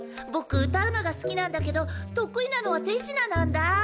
僕歌うのが好きなんだけど得意なのは手品なんだ。